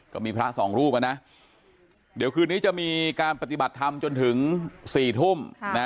ก็มีพระสองรูปนะเดี๋ยวคืนนี้จะมีการปฏิบัติธรรมจนถึง๔ทุ่ม